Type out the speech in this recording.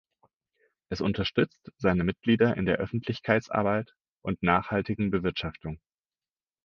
Es unterstützt seine Mitglieder in der Öffentlichkeitsarbeit und nachhaltigen Bewirtschaftung.